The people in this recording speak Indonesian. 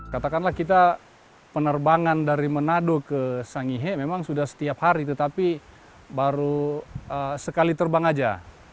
katakanlah kita penerbangan dari manado ke sangihe memang sudah setiap hari tetapi baru sekali terbang saja